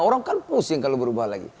orang kan pusing kalau berubah lagi